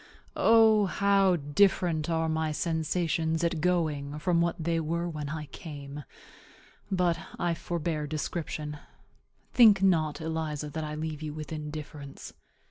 O, how different are my sensations at going from what they were when I came! But I forbear description. Think not, Eliza, that I leave you with indifference.